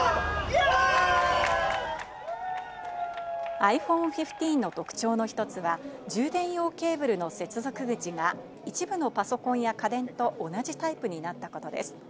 ｉＰｈｏｎｅ１５の特徴の一つは、充電用ケーブルの接続口が一部のパソコンや家電と同じタイプになったことです。